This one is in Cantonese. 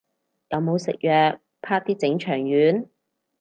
有冇食藥，啪啲整腸丸